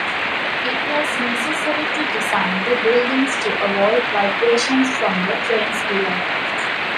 It was necessary to design the buildings to avoid vibrations from the trains below.